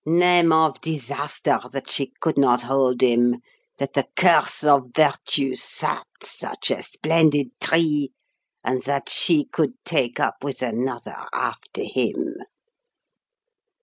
Name of disaster! that she could not hold him, that the curse of virtue sapped such a splendid tree, and that she could take up with another after him!"